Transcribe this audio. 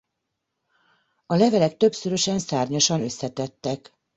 A levelek többszörösen szárnyasan összetettek.